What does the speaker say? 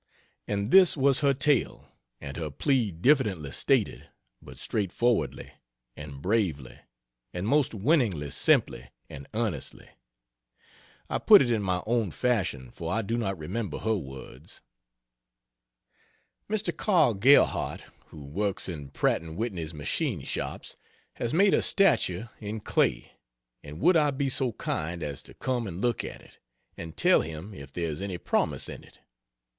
And this was her tale, and her plea diffidently stated, but straight forwardly; and bravely, and most winningly simply and earnestly: I put it in my own fashion, for I do not remember her words: Mr. Karl Gerhardt, who works in Pratt & Whitney's machine shops, has made a statue in clay, and would I be so kind as to come and look at it, and tell him if there is any promise in it?